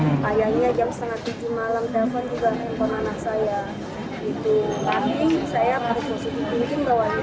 ayahnya jam setengah tujuh malam telepon juga panggung anak saya